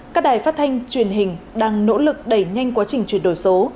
các đài phát thanh truyền hình đang nỗ lực đẩy nhanh quá trình chuyển đổi số